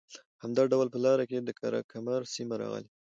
همدا ډول په لاره کې د قره کمر سیمه راغلې